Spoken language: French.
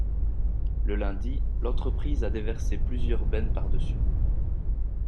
le lundi l’entreprise a déversé plusieurs bennes par-dessus.